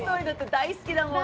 大好きだもんね。